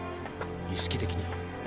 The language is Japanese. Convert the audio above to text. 意識的に。